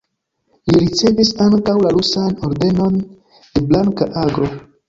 Li ricevis ankaŭ la rusan Ordenon de Blanka Aglo.